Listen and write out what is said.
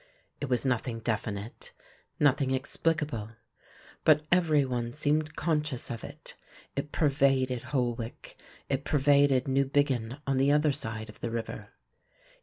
It was nothing definite, nothing explicable, but every one seemed conscious of it; it pervaded Holwick, it pervaded Newbiggin on the other side of the river.